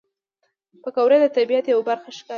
پکورې د طبیعت یوه برخه ښکاري